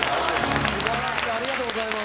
ありがとうございます。